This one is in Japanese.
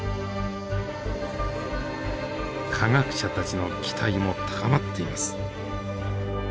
科学者たちの期待も高まっています。